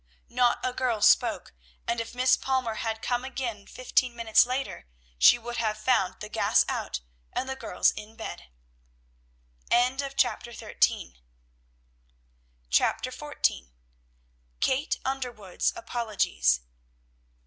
Not a girl spoke, and if Miss Palmer had come again fifteen minutes later, she would have found the gas out and the girls in bed. CHAPTER XIV. KATE UNDERWOOD'S APOLOGIES.